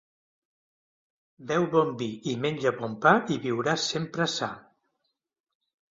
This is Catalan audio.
Beu bon vi i menja bon pa i viuràs sempre sa.